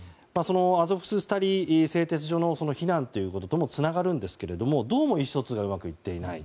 アゾフスタリ製鉄所の避難ということともつながるんですが、どうも意思疎通がうまくいっていない。